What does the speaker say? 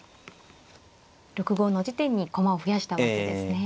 ６五の地点に駒を増やしたわけですね。